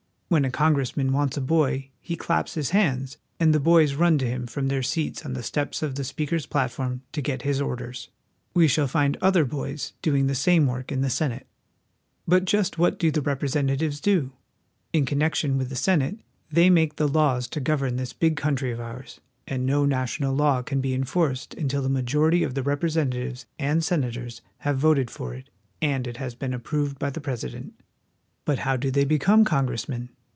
When a congressman wants a boy he claps his hands, and the boys run to him from their seats on the steps of the Speaker's platform to get his orders. We shall find other boys doing the same work in the Senate. But just what do the representatives do? In connection with the Senate, they make the laws to govern this big country of ours, and no national law can be enforced until a majority of the representatives and senators have voted for it and it has been approved by the President. But how do they become congressmen